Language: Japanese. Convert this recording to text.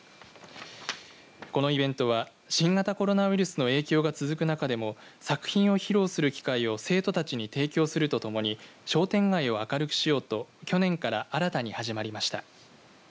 このイベントは新型コロナウイルスの影響が続く中でも作品を披露する機会を生徒たちに提供するとともに商店街を明るくしようと去年から新たに始まりました。